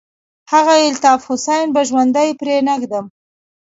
هغه الطاف حسين به ژوندى پرې نه ږدم.